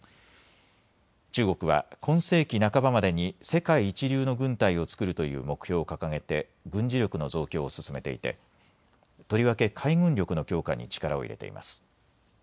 中国は今世紀半ばまでに世界一流の軍隊を作るという目標を掲げて軍事力の増強を進めていてとりわけ海軍力の強化に力を入れています。